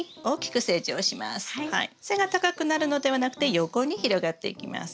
背が高くなるのではなくて横に広がっていきます。